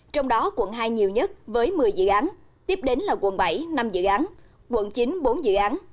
trong đó quận hai nhiều nhất với một mươi dự án tiếp đến là quận bảy năm dự án quận chín bốn dự án